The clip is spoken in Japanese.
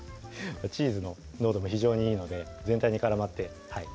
チーズの濃度も非常にいいので全体に絡まってはい